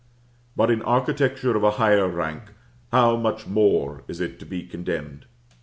But in architecture of a higher rank, how much more is it to be condemned?